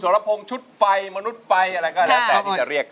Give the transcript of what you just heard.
ด้านล่างเขาก็มีความรักให้กันนั่งหน้าตาชื่นบานมากเลยนะคะ